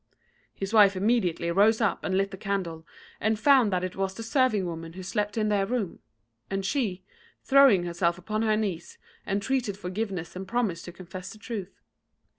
His wife immediately rose up and lit the candle, and found that it was the serving woman who slept in their room; and she, throwing herself upon her knees, entreated forgiveness and promised to confess the truth.